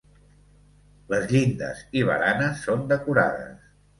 Les llindes i baranes són decorades.